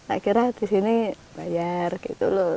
akhirnya di sini bayar gitu loh